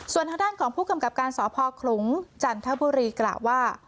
ส่วนทางด้านของผู้กำกับการสพคลุงจันทบุรีกล่าวว่า